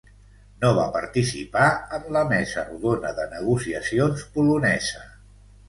No va participar en la Mesa Rodona de Negociacions Polonesa.